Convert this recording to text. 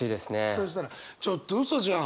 そうしたらちょっと嘘じゃん。